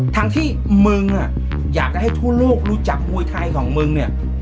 ทั้งที่มึงอยากจะให้ทั่วโลกรู้จักมวยไทยของมึงเนี่ย